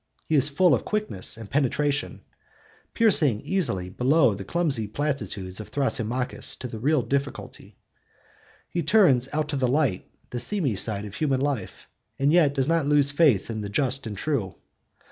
He is full of quickness and penetration, piercing easily below the clumsy platitudes of Thrasymachus to the real difficulty; he turns out to the light the seamy side of human life, and yet does not lose faith in the just and true.